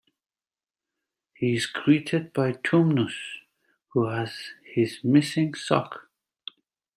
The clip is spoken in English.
He is greeted by Tumnus, who has his missing sock.